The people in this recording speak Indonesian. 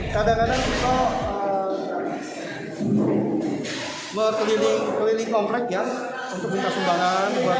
kadang kadang tito ngekeliling kompleks ya untuk minta sumbangan